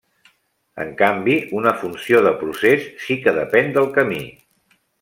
En canvi, una funció de procés sí que depèn del camí.